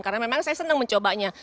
karena memang saya senang mencobanya